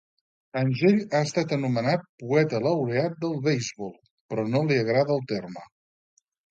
Angell ha estat anomenat "Poeta Laureat del beisbol", però no li agrada el terme.